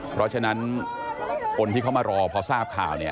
เพราะฉะนั้นคนที่เขามารอพอทราบข่าวเนี่ย